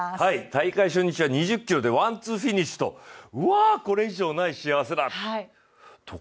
大会初日は２０ｋｍでワン・ツーフィニッシュでこれ以上にない幸せだと。